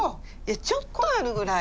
ちょっとあるぐらい。